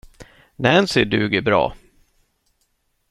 Nancy duger bra.